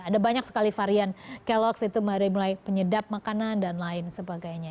ada banyak sekali varian keloks itu dari mulai penyedap makanan dan lain sebagainya